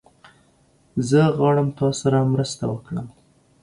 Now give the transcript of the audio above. زه غواړم تاسره مرسته وکړم